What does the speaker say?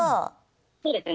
そうですね